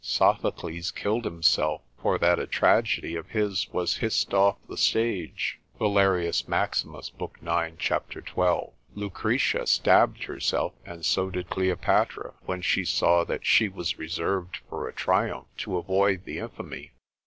Sophocles killed himself, for that a tragedy of his was hissed off the stage: Valer. max. lib. 9. cap. 12. Lucretia stabbed herself, and so did Cleopatra, when she saw that she was reserved for a triumph, to avoid the infamy.